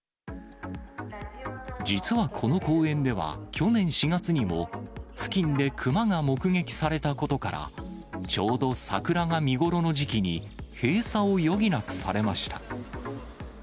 実はこの公園では去年４月にも、付近でクマが目撃されたことから、ちょうど桜が見頃の時期に、閉鎖を余儀なくされました。